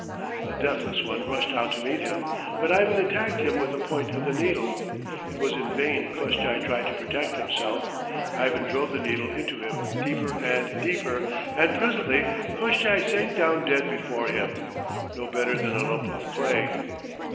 The Deathless One rushed out to meet him, but Ivan attacked him with the point of the needle. It was in vain Koshchei tried to protect himself. Ivan drove the needle into him deeper and deeper, and presently Koshchei sank down dead before him, no better than a lump of clay.